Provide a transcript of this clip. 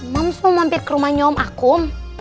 mams mau mampir ke rumahnya om akum